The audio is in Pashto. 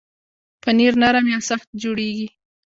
پنېر نرم یا سخت جوړېږي.